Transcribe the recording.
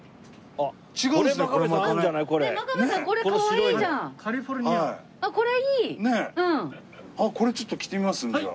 あっこれちょっと着てみますじゃあ。